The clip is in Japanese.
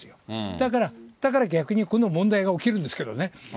だから、だから逆にこの問題が起きるんですけどね。